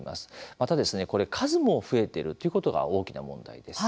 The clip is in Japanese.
また、これ数も増えているということが大きな問題です。